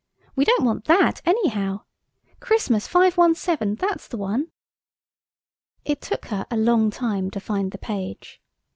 '" "We don't want that anyhow. 'Christmas, 517'–that's the one." It took her a long time to find the page.